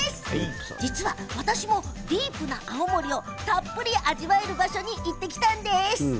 私もディープな青森をたっぷり味わえる場所に行ってきたんです。